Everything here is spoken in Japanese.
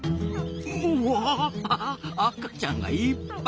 うわ赤ちゃんがいっぱいだ！